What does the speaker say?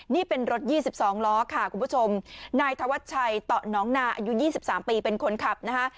นี่เป็นรถ๒๒ล้อค่ะคุณผู้ชมนายธวัชชัยต่อน้องนาอายุ๒๓ปีเป็นคนขับนะคะ